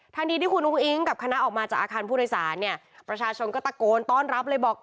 ทันทีที่คุณอุ้งอิ๊งกับคณะออกมาจากอาคารผู้โดยสารเนี่ยประชาชนก็ตะโกนต้อนรับเลยบอก